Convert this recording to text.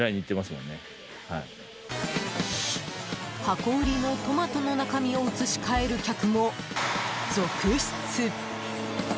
箱売りのトマトの中身を移し替える客も続出。